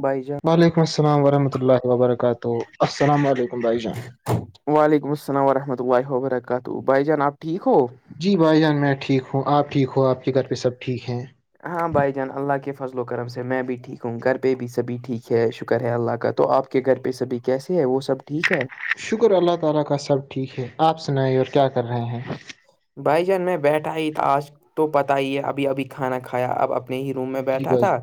بھائی جان وعلیکم السلام ورحمۃ اللہ وبرکاتہ السلام علیکم بھائی جان وعلیکم السلام ورحمۃ اللہ وبرکاتہ بھائی جان آپ ٹھیک ہو جی بھائی جان میں ٹھیک ہوں آپ ٹھیک ہو آپ کے گھر پہ سب ٹھیک ہیں ہاں بھائی جان اللہ کے فضل و کرم سے میں بھی ٹھیک ہوں گھر پہ بھی سبھی ٹھیک ہے شکر ہے اللہ کا تو آپ کہ گھر پہ سبھی کیسے ہے وہ سب ٹھیک ہے شکر اللہ تعالی کا سب ٹھیک ہے آپ سنائیں اور کیا کر رہے ہیں بھائی جان میں بیٹھا ہی تھا آج تو پت ہی ہے ابھی ابھی کھانا کھایا اب اب ہی روم میں جی بیٹھا بھائی تھا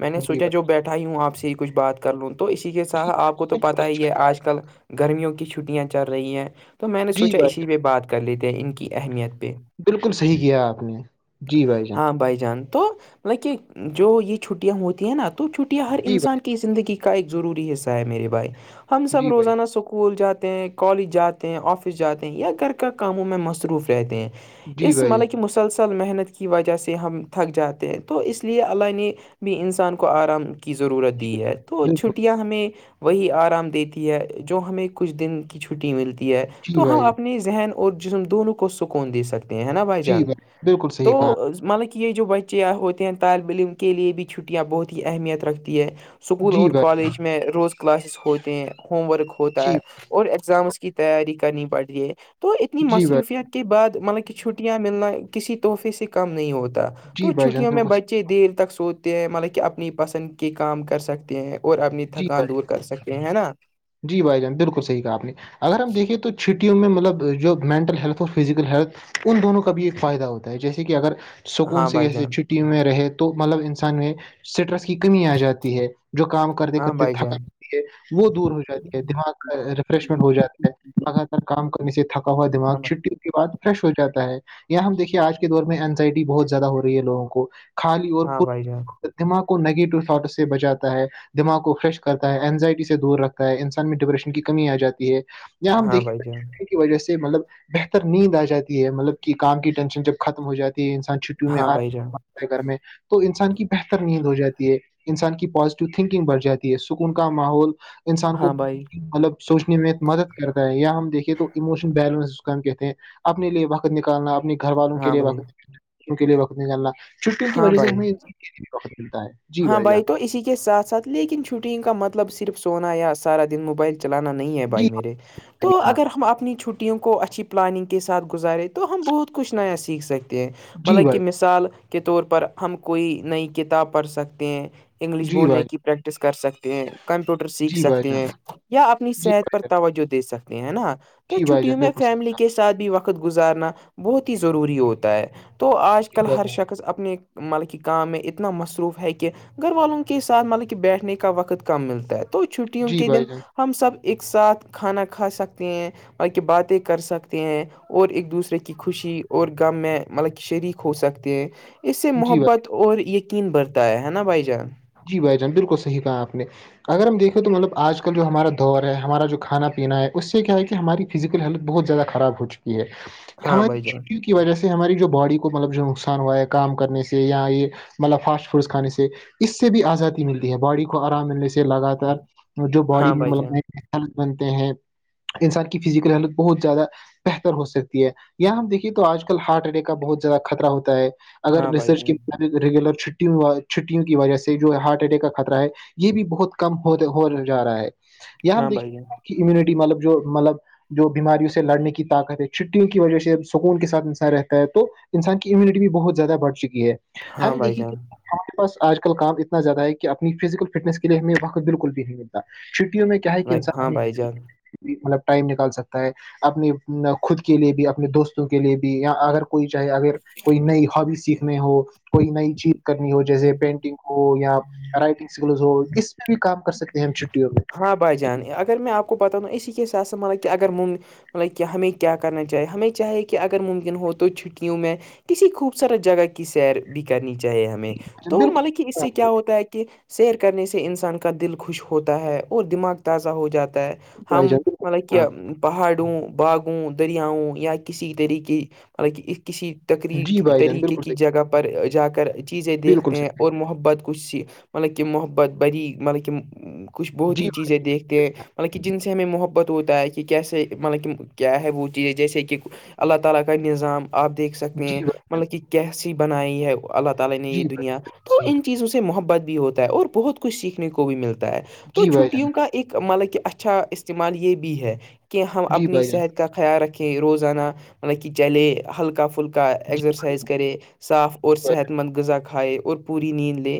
میں نے جی سوچا بھائی جو بیٹھا ہی ہوں آپ سے کچھ بات کر لوں تو اسی کے ساح آپ کو تو بالکل پتا ہی اچھا ہے کیا آپ آج کل گرمیوں کی چھٹیاں چل رہی ہیں تو میں نے جی سوچا بھائی اسی جان پہ بعد تھے ان کی اہمیت پہ بالکل صحیح کیا آپ نے جی جان ہاں بھائی جان تو مط کہ جو یہ چھٹیاں ہوتی ہیں نا تو چھٹیاں ہر جی بھائی انسان کے زندگی کا ایک ضروری حصہ ہے میرے بھائی ہم سب جی بھائی روزانہ سکول جاتے ہیں کالج جاتے ہیں آفس جاتے ہیں یا گھر کا کاموں میں مصروف رہتے ہیں جی اس بھائی ملب جان کہ مسلسل اصل محنت کی وجہ سے ہم تھک جاتے ہیں تو اس لیے اللہ نے بھی انسان کو آرام کی ضرورت دی جی ہے تو بالکل چھٹیاں ہمیں وہی آرام دیتی ہے جو ہمیں کچھ دن کی چھٹی ملتی ہے جی تو ہم بھائی جان اپنی ذہن اور جسم دونوں کو سکون دے سکتے ہیں ہے نا بھائی جی جان بالکل صحیح تو کہا مطل یہ جو بچے ہوتے ہیں طالب علم کے لیے بھی چھٹیاں بہت ہی اہمیت رکھتی ہے اسکول جی اور بھائی کالج میں روز کلاسز ہوتے ہیں ہوم ورک ہوتا جی ہے اور ایگزامس کی تیاری کرنی پڑتی ہے تو اتنی جی بھائی مصروفیت کے بعد مطلب کہ چھٹیاں ملنا کسی تحفے سے کم نہیں ہوتا جی تو بھائی جان چھٹیوں میں بالکل بچے دیر تک سوچتے ہیں مطلب کہ اپنی پسند کے کام کر سکتے ہیں اور اپنی صحیح جی بھائی تھکان دور کر سکتے ہیں ہے نا جی بھائی جان بالکل صح کہ آپ نے اگر ہم دیکھیں تو چھٹیوں میں مطلب جو مینٹل ہیلتھ اور فزیکل ہیلتھ ان دونوں کا بھی ایک فائدہ ہوتا ہے جیسے کہ اگر سکون ہاں سے بھائی جیسے جان چھٹی میں رہے تو مطلب انسان میں اسٹرس کی کمی آ جاتی ہے جو کام کرتے ہاں کرتے بھائی تھکا جان ہے وہ دور ہو دماغ کا ریفریشمنٹ ہو جاتا ہے لگاتار کام کرنے سے تھکا ہوا دماغ ہاں بھائی چھٹی بعد فریش ہو جاتا ہے ہم دیکے آج کے دور میں اینزائٹی بہت زیادہ ہو رہی ہے لوگوں کو خالی اور ہاں پ بھائی جان دماغ کو نیگیٹو تھٹس سے بچاتا ہے دماغ کو فریش کرتا ہے اینزائٹی سے دور رکھتا انسان میں ڈپریشن کی کمی آ جاتی ہے یہاں ہم ہاں بھائی دیکھے ب جان وجہ سے مطلب بہتر نیند آ جاتی ہے مطلب کہ کام کی ٹینشن جب ختم ہو جاتی ہے انسان چھٹیوں میں ہاں آ بھائی جان رہا ہے گھر میں تو انسان کی بہتر نیند ہو جاتی ہے انسان کی پازیٹیو تھنکنگ بڑھ جاتی ہے سکون کا ماحول انسان کو ہاں بھائی مطلب سوچنے میں مدد کرتا ہے یا ہم دیکھیے تو ایموشنل بیلنس اس کا ہم کہتے ہیں اپنے لیے وقت نکالنا اپنے گھر والوں کے ہاں لیے بھائی وقتوں کے لیے وقت نہیںکلنا چھٹٹی کی ہاں وجہ سے بھائی انہیں وقت ملتا ہے جی ہاں بھائی جان تو اسی کے ساتھ ساتھ لیکن چھٹیوں کا مطلب صرف سونا یا سارا دن موبائل چلانا نہیں ہے جی بھائی میرے بھائی تو جان۔ اگر ہم اپنی چھٹی ٹیوں کو اچھی پلاننگ کے ساتھ گزارے تو ہم بہت کچھ نیا سیکھ سکیں ہیں جی مطلب کہ بھائی مثال کے طور پر ہم کوئی نئی کتاب پڑھ سکتے ہیں انگلش جی بولنے بھائی کی پریکٹس کر سکتے ہیں کمپیوٹر سیکھ جی بھائی سکتے جان ہیں یا اپنی جی صحت بھائی پر جان توجہ دے سکتے ہیں نا تو جی بھائی جان چھٹیوں میں بالکل صحیح فیملی کہا کے ساتھ بھی وقت گزارنا بہت ہی ضروری ہوتا ہے تو آج جی کل بھائی ہر جان شخص اپنے مطلب کی کام میں اتنا مصر مروف ہے کہ گھر والوں کے ساتھ مطلب کہ بیٹھنے کا وقت کم ملتا ہے تو چھٹیوں جی کے دن بھائی جان ہم سب ایک ساتھ کھانا کھا سکتے ہیں بل کی باتیں کر سکتے ہیں اور ایک دوسرے کی خوشی اور غم میں مطلب شریک ہو سکتے ہیں اس سے جی بھائی محبت اور یقین برھتا ہے ہے نا بھائی جان جی بھائی جان بالکل صحیح کہا آپ نے اگر ہم دیکھیں تو مطلب آج کل جو ہمارا دور ہے ہمارا جو کھانا پینا ہے اس سے کیا ہے کہ ہماری فزیکل ہیلتھ بہت زیادہ خراب ہو چکی ہے ہاں ہماری بھائی جان چھٹیوں کی کی وجہ سے ہماری جو باڈی کو مطلب جو نقصان ہوا ہے کام کرنے سے یا یہ مطلب فاسٹ فوڈ کھانے سے اس سے بھی آزادی ملتی ہے باڈی کو آرام ملنے سے لگاتار جو باڈی ہاں میں بھائی مل جان ہیلھ بنتے ہیں انسان کی فزیکل ہیلتھ بہت زیادہ بہتر ہو سکتی ہے یہاں ہم دیکھیے تو آج کل ہارٹ اٹیک کا بہت زیادہ خطرہ ہوتا ہے اگر ہاں بھائی ریسرچ کے جان ب ریگولر چ چٹھی وجہ سے جو ہارٹ اٹیک کا خطرہ ہے یہ بھی بہت کم ہو جا رہا ہے یہ ہم ہاں دیکھیں بھائی گ جان آپ کی امیونٹی مطلب جو مطلب جو بیماریوں سے لڑنے کی طاقت ہے چھٹیوں کی وجہ سے سکون کے ساتھ انسان رہتا ہے تو انسان کی امیونٹی بھی بہت زیادہ بڑھ چکی ہے ہاں ہم بھائی دیکھے کہ جان آس پاس آج کل کام اتنا زیادہ ہے کہ اپنی فزیکل فٹنس کےے ہمیں وقت بالکل بھی نہیں مل چھٹیوں میں کیا ہے کہ ہاں انسان نے بھائی جان مطلب ٹائم نکال سکتا ہے اپنی خود کے لیے بھی اپنے دوستوں کے لیے بھی یا اگر کوئی چاہے اگر کوئی نئی ہابی سیکھنی ہو کوئی نئی چیز کرنی ہو جیسے پین یا رائٹنگ سکلز ہو کس پہ بھی کام کر سکتے ہیں ہم چھٹیوں میں ہاں بھائی جان اگر میں آپ کو پتا ہوں اسی کے حساب سے مطب کہ اگر مگ مطلب کہ ہمیں کیا کرنا چاہیے ہمیں چاہے کہ اگر ممکن ہو تو چھٹیوں میں کسی خوبصورت جگہ کی سیر بھی کرنی چاہیے ہمیں تو بالکل مطلب کہ اس سے کیا ہوتا ہے کہ سیر کرنے سے انسان کا دل خوش ہوتا ہے اور دماغ تازہ ہو جاتا ہے بھائی ہم جان بالکل مطلب کہ ہاں پہاڑوں باغوں دریاؤں یا کسی طریقے مطک ایک کسی جی تقریب بھائی جان طریقے بالکل کی صحیح جگہ پر جا کر چیزیں بالکل دیکھتے ہیں صحیح اور محبت کی مطلب کہ محبت بری مطلب کہ کچھ بہت ہی جی چیزیں دیکھتے ہیں مطلب کہ جن سے ہمیں محبت ہوتا ہے کہ کیسے مطلب کہ کیا ہے وہ چیز جیسے کہ اللہ تعالی کا نظام آپ دیکھ سکتے ہیں بھائی مطلب کہ کیسی بنائی ہے اللہ تعالی نے یہ دنیا تو ان چیزوں سے محبت بھی ہوتا ہے اور بہت کچھ سیکھنے کو بھی ملتا ہے تو جان، چھٹیوں کا ایک مطلب کہ اچھا استعمال یہ بھی ہے کہ ہم جی اپنی بھائی جان صحت کا خیال رکھیں روزانہ مطلب کہ چلے ہلکا فھلکا ازرسائز کرے صاف اور صحت مند غذا کھائے اور پوری نیند لے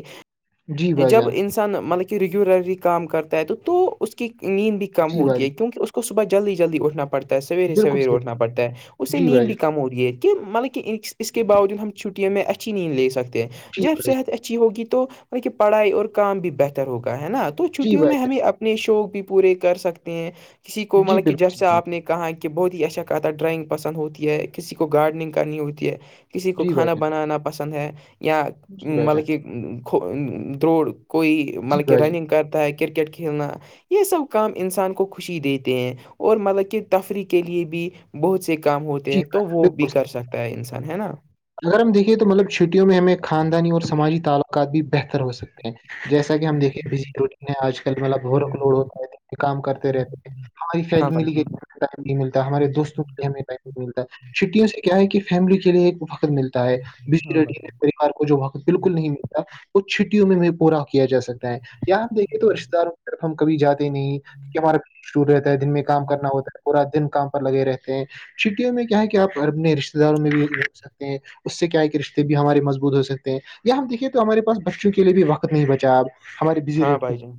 جی بھائی جب جان انس مطلب کہ ریگولرلی کام کرتا ہے تو اس کی نیند بھی کم ہوتی ہے کیونکہ اس کو صبح جلدی جلدی اٹھنا پڑتا ہے سویرے بالکل سویرے صحیح اٹھنا پڑتا ہے اس سے جی نیند بھائی بھی جان کم ہو رہی ہے کہ مطلب کہ اس کے باوجود ہم چھٹیوں میں اچھی نیند لے سکتے ہیں جی جب ہم بھائی جان صحت اچھی ہوگی تو مطل کہ پڑھائی اور کام بھی بہتر ہوگ ہے نا تو جی بھائی جان، جی بھائی جان جی بھائی جان بالکل صحیح جی بھائی جان جی بھائی جان، جی چھٹیوں بھائی میں جان ہمیں اپ اپنے شوق بھی پورے کر سکتے ہیں کسی کو جی مطلب کہ بالکل جب سے صحیح آپ نے کہاں کہ بہت ہی اچھا کہتا ہے ڈرائنگ پسند ہوتی ہے کسی کو گارڈنگ کرنی ہوتی ہے کسی کو جی بھائی کھانا جان بنانا پسند ہے یا جی بھائی مطلب جان کہھ دوروڑ کوئی جی مطلب کہ بھائی جان رننگ کرتا ہے کرکٹ کھیلنا یہ سب کام انسان کو خوشی دیتے ہیں اور مطلب کہ تفریح کے لیے بھی بہت سے کام ہوتے جی ہیں بھائی تو جان وہ بھی بالکل کر سکتا ہے انسان ہے نا اگر ہم دیکھے تو مطلب چھٹیوں میں ہمیں خاندانی اور سماجی تعلقات بھی بہتر ہو سکتے ہیں جیسا کہ ہم دیکھے بجلی روٹین ہے آج کل مطلب لوڈ ہوتا ہے کام کرتے رہتے تھ ہماری فی ہاں بھائی ملی گئی جان ائم نہیں ملتا ہمارے دوستوں کے لیے ہمیں ٹائم نہیں ملتا چھٹیوں سے کیا ہے کہ فیملی کے لیے فقت ملتا ہے ہاں بھائی ریڈی جان پوار کو جو وہاںقت بالکل نہیں ملتا تو چھٹیوں میں بھی پورا کیا جا سکتا ہے یااںپ دیکھے تو رشتے داروں طرف ہم کبھی جاتے نہیں کیہ ہمارا شور رہتا ہے دن میں کام کرنا ہوتا ہے پورا دن کام پر لگے رہتے ہیں چھٹیوں میں کیا ہے کہ آپ اپنے رشتے داروں میں بھی سکتے اس سے کیا ہے کہ رشتے بھی ہمارے مضبوط ہو سکتے ہیں یا ہم دیکھے تو ہمارے پاس بچوں کے لیے بھی وقت نہیں بچا اب ہمارے بزی ہاں بھائی ریٹے جان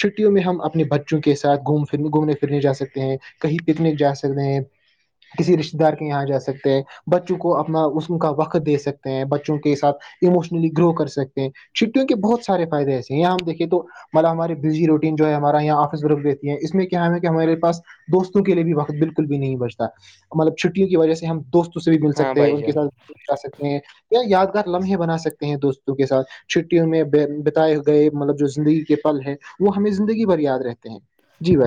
چھٹیوں میں ہم اپنے بچوں کے ساتھ گھومھرنے گھومنے پھرنے جا سکتے ہیں کہیں پکنک جا سکتے ہیں کسی رشتے دار کے یہاں جا سکتے ہیں بچوں کو اپنا اس کا وقت دے سکتے ہیں بچوں کے ساتھ اموشنلی گرو کر سکتے ہیں چھٹیوں کے بہت سارے فائدے ایسے ہیں یہاں ہم دیکے تو مطلب ہماراری بزی روٹین جو ہے ہمارا یہاں آفس ورک دیتی ہے اس میں کیا ہے کہ ہمارے پاس دوستوں کے لیے بھی وقت بالکل بھی نہیں بچتا مطلب چھٹیوں کی وجہ سے ہم دوستوں سے بھی ب ہاں بھائی ان کے جان ساتھ آا سکتے ہیں یا یادگار لمحے بنا سکتے ہیں دوستوں کے ساتھ چھٹیوں میں بتائے گئے مطلب جو زندگی کے پل ہیں وہ ہمیں زندگی بھر یاد رہتے ہیں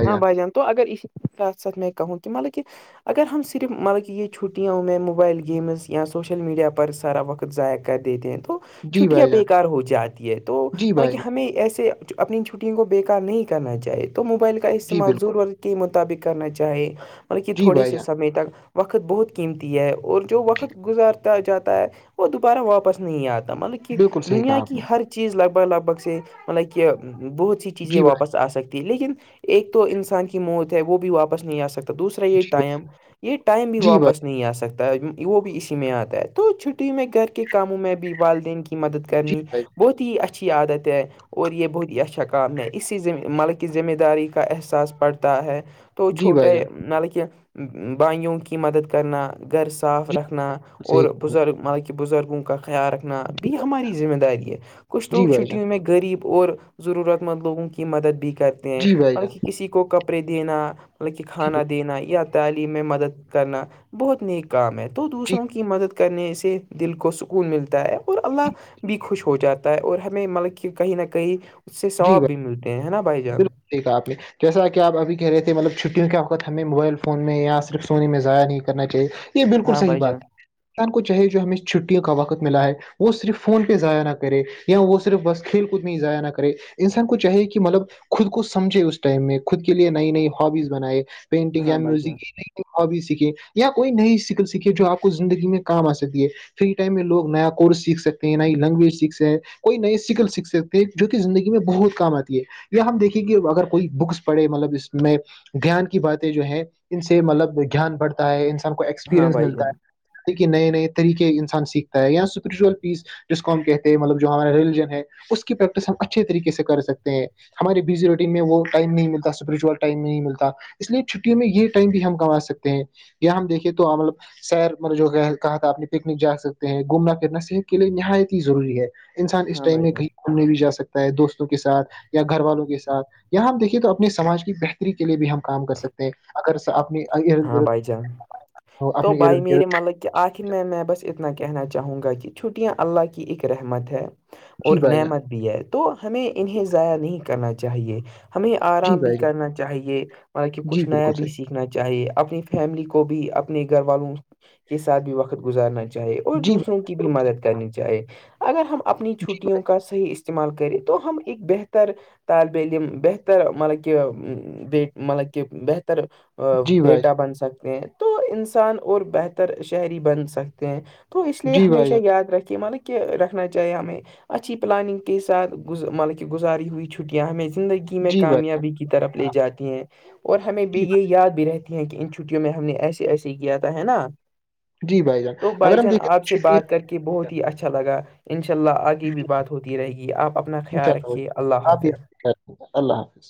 ہاں بھائی جان تو اگر اس ساتھ ساتھ میں کہوں کہ مطلب کہ اگر ہم صرف مطلب کہ یہ چھٹیاوں میں موبائل گیمز یا سوشل میڈیا پر سارا وقت ضائع کر دیتے ہیں تو جی چھٹیاں بھائی بے جان کار ہو جاتی ہے تو جی م بھائی کہ جان ہمیں ایسے اپنی چھٹیوں کو بےیکار نہیں کرنا چاہے تو موبائل کا جی استعمال بالکل زرور کے مطابق کرنا چاہے مطلب کہ جی تھوڑے بھائی سے جان سمے تک وقت بہت قیمتی ہے اور جو جی وقت گزارتا جاتا ہے وہ دوبارہ واپس نہیں آتا مطلب کہ بالکل صحیح دنیا کہا آپ کی نے ہر چیز لگ بھگ لگ بھگ سے مطلب کہ بہت سی چیزیں جی بھائی واپس آ سکتی لیکن ایک تو انسان کی موت ہے وہ بھی واپس نہیں آ سکتی دوسرا یہ ٹائم یہ ٹائم بھی جی واپس بھائی نہیں آ سکتا وہ بھی اسی میں آتا ہے تو چھٹی میں گھر کے کاموں میں بھی والدین کی مدد جی کرنی بھائی بہت ہی اچھی عادت ہے اور یہ بہت ہی اچھا کام ہے اسی ملک ذمہ داری کا احساس پڑتا ہے تو جی چھوٹے بھائی مطلب کہ بائیوں کی مدد کرنا گھر صاف جی بھائی رکھنا جان جی بالکل اور صحیح کہا بزرگ بزرگوں کا خیال رکھنا جی بھی ہماری ذمہ داری ہے کچھ جی لوگ بھائی جان چھٹیوں میں غریب اور ضرورت مند لوگوں کی مدد بھی کرتے ہیں جی بھائی مطلب جان کہ کسی کو کپڑے دینا مطلب کہ جی کھانا دینا یا تعلیم میں مدد کرنا بہت نیک کام ہے تو جی دوسروں کی مدد کرنے سے دل کو سکون ملتا ہے اور اللہ بھی خوش ہو جاتا ہے اور ہمیں مطلب کہ کہیں نہ کہیں اس سے جی ثواب بھی بھائی ملتے ہیں نا بھائی ج بالکل ٹھیک ہے آپ نے جیسا کہ آپ ابھی کہہ رہے تھے مطلب چھٹیوں کے وقت ہمیں موبائل فون میں یا صرف سونے میں ائع نہیں کرنا چاہیے یہ بالکل ہاں صحیح بھائی جان بات انسان کو چاہے جو ہمیں چھٹیوں کا وقت ملا ہے وہ صرف فون پہ ضائع نہ کرے یا وہ صرف بس کھیل کود میں ہی ضائع نہ کرے انسان کو چاہیے کہ مطلب خود کو سمجھے اس ٹائم میں خود کے لیے نئی نئی ہبیز بنائے پینٹنگ یا ہاں بھائی جان میوزک یہ نہیں ہابی سیکھے یا کوئی نئی شکل سیکھے جو آپ کو زندگی میں کام آ سکتی ہے فری ٹائم میں لوگ نیا کورس سیکھ سکتے نئی لینگویج سیکھ ستے ہیں کوئی نئے سکل سیکھ سک تھے جو کہ زندگی میں بہت کام آتی ہے یا ہم دیکھیں گ اگر کوئی بکس پڑے مطلب اس میں گیان کی باتیں جو ہیں ان سے مطلب گیان بڑھتا ہے انسان کو ہاں ایکسپیرئنس بھائی ملتا جان ہے دیک کہ نئے نئے طریقے انسان سیکھتا ہے اں اسپرچول پیس جس کو ہم کہتے ہیں مطلب جو ہمارا ریلیجن ہے اس کی پریکٹس ہم اچھے طریقے سے کر سکتے ہیں ہمارے بزی روٹین میں وہ ٹائم نہیں ملتا اسپرچل ٹائم نہیں ملتا اس لیے چھٹیوں میں یہ ٹائم بھی ہم کما سکتے ہیں یا ہم دیکھے تول سیر ملب جو کہ کہا تھا اپنے پکنک جا سکتے ہیں گھومنا پھرنا صحت کے لیے نہایت ہی ضروری ہے انسان اس ہاں ٹائم بھائی میں جان کہیں گھومنے بھی جا سکتا ہے دوستوں کے ساتھ یا گھر والوں کے ساتھ یہاں ہم دیکھیے تو اپنے سماج کی بہتری کے لیے بھی ہم کام کر سکتے ہیں اگر اپنے ایرن کر ہاں بھائی جان ہو تو اپنے بھائی ارن کرت میرے مطلب کہ آخر میں میں بس اتنا کہنا چاہوں گا کہ چھٹیاں اللہ کی اک رحمت ہے اور اچھی پائے جائیں نعمت بھی ہے تو ہمیں انہیں ضائع نہیں کرنا چاہیے ہمیں جی آرام بھی بھائی جان کرنا چاہیے مطل کہ جی کچھ نیا بالکل بھی صحیح سیکھ چاہیے اپنی فیملی کو بھی اپنے گھر والوں کے ساتھ بھی وقت گزارنا چاہے اور جی دوسرے بھائی کی بھی جان، مدد کرنی چاہے اگر ہم اپنی چھٹیوں کا صحیح استعمال کریں تو ہم ایک بہتر طالبہ علم بہتر مطلب کہہ بی مطلب کہ بہتر جی بھائی جان بیٹا بن سکتے ہیں تو انسان اور بہتر شہری بن سکتے ہیں تو اس لیے جی بھائی ہمیشہ جان یاد رکھیے مانب کہ رکھنا چاہیے ہمیں اچھی پلاننگ کے ساتھ مطلب کہ گزاری ہوئی چھٹیاں ہمیں زندگی میں جی بھائی جان کامیابی کی طرف لے جاتی ہیں اور ہمیں بھی جی یہ یاد بھی رہتی ہیں کہ ان چھٹیوں میں ہم نے ایسے ایسے ہی کیا تھا ہے نا بھائی جی بھائی جان تو اگر بھائی ہم جان دیکھیں آپ تو سے بات چھٹیاں کر کے بہت ہی اچھا لگا انشاء اللہ آ کی بھی بات ہوتی رہے گی آپ اپنا ان شاء خیال اللہ ہو رکھیے اللہ جائیں۔ آپ بھی حافظ اپنا خیال اللہ حافظ